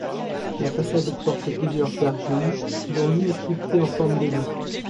La façade porte plusieurs gargouilles, dont l'une sculptée en forme de loup.